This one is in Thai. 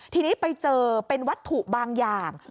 ทีนี้ไปเจอเป็นวัตถุบางอย่าง